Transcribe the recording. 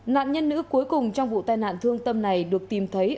nạn nhân nữ cuối cùng trong vụ tai nạn thương tâm này được tìm thấy